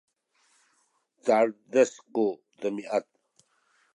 caledes ku demiad